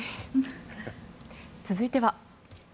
続いては。